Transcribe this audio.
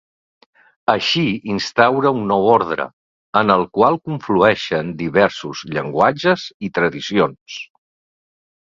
Així instaura un nou ordre, en el qual conflueixen diversos llenguatges i tradicions.